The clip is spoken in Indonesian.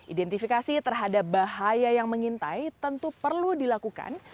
identifikasi terhadap bahaya yang mengintai tentu perlu dilakukan